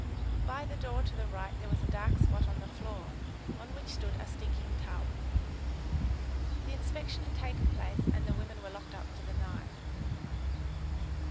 By the door to the right there was a dark spot on the floor on which stood a stinking tub. The inspection had taken place and the women were locked up for the night.